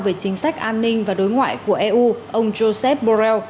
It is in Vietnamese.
về chính sách an ninh và đối ngoại của eu ông joseph borrell